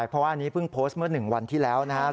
เพราะว่าอันนี้เพิ่งโพสต์เมื่อ๑วันที่แล้วนะครับ